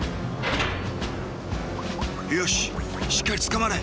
よししっかりつかまれ！